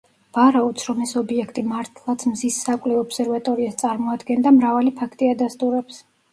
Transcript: ვარაუდს, რომ ეს ობიექტი მართლაც მზის საკვლევ ობსერვატორიას წარმოადგენდა, მრავალი ფაქტი ადასტურებს.